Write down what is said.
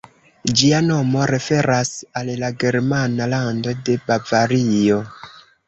Ĝia nomo referas al la germana lando de Bavario.